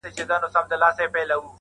خیراتونه اورېدل پر بې وزلانو!.